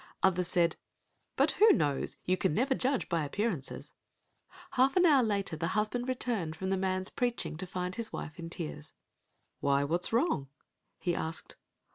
Others said, "But who knows, you can never judge by appearances!" Half an hour later the husband returned from the man's preaching to find his wife in tears. "Why, what's wrong?" he asked.